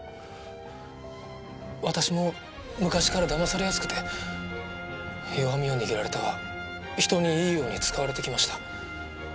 私も昔からだまされやすくて弱みを握られては人にいいように使われてきました。